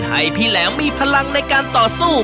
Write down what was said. ให้พี่แหลมมีพลังในการต่อสู้